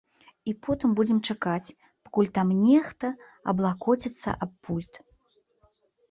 І потым будзем чакаць, пакуль там нехта аблакоціцца аб пульт?